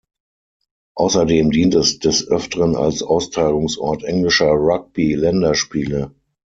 Außerdem dient es des Öfteren als Austragungsort englischer Rugby-Länderspiele.